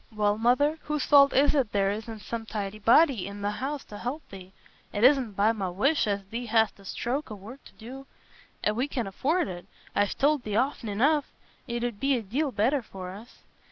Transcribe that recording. "Well, Mother, whose fault is it there isna some tidy body i' th' house t' help thee? It isna by my wish as thee hast a stroke o' work to do. We can afford it—I've told thee often enough. It 'ud be a deal better for us."